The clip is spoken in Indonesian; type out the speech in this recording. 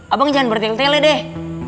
abang jangan bertele tele deh